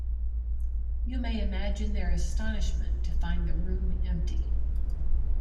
You may imagine their astonishment to find the room empty.